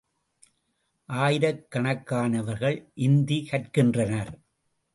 ஆயிரக்கணக்கானவர்கள் Hindi கற்கின்றனர்.